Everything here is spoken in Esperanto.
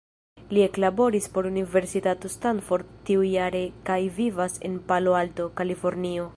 Li eklaboris por Universitato Stanford tiujare kaj vivas en Palo Alto, Kalifornio.